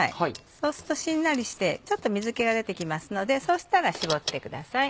そうするとしんなりしてちょっと水気が出てきますのでそうしたら絞ってください。